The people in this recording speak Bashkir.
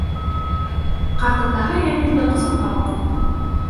Ҡартатаһы Йәмилде ҡосаҡлап алып: